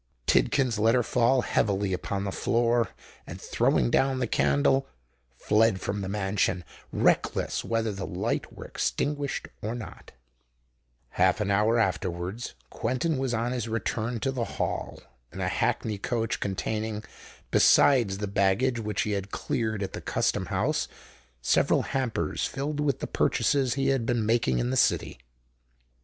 Tidkins let her fall heavily upon the floor, and throwing down the candle, fled from the mansion, reckless whether the light were extinguished or not. Half an hour afterwards Quentin was on his return to the Hall, in a hackney coach containing, besides the baggage which he had cleared at the Custom House, several hampers filled with the purchases he had been making in the City.